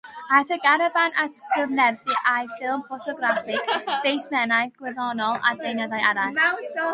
Aeth y garfan atgyfnerthu â'u ffilm ffotograffig, sbesimenau gwyddonol, a deunyddiau eraill.